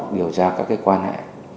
điều tra các cái quan hệ